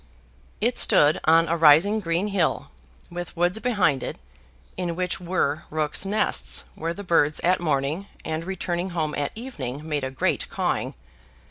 It stood on a rising green hill, with woods behind it, in which were rooks' nests, where the birds at morning and returning home at evening made a great cawing.